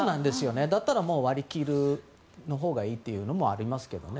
だったら割り切るほうがいいというのがありますけどね。